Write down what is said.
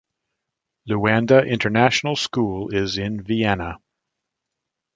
Luanda International School is in Viana.